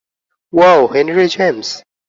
Wow, Henry James.